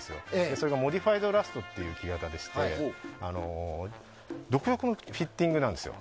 それが、モディファイドラストという木型でして独特のフィッティングなんです。